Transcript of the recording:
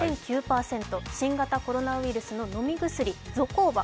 新型コロナウイルスの飲み薬ゾコーバ。